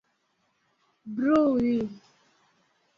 brui